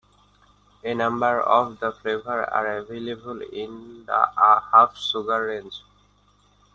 A number of the flavours are available in the Half Sugar range.